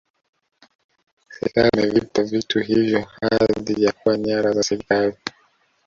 serikali imevipa vitu hivyo hadhi ya kuwa nyara za serikali